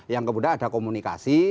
yang kemudian ada komunikasi